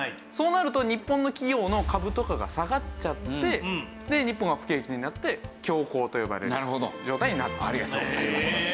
そうなると日本の企業の株とかが下がっちゃって日本は不景気になって恐慌と呼ばれる状態になっていたと。